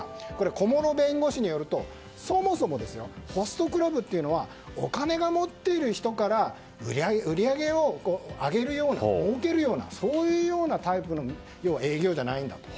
小師弁護士によるとそもそもホストクラブというのはお金を持っている人から売り上げを上げるようなもうけるようなそういうようなタイプの営業じゃないんだと。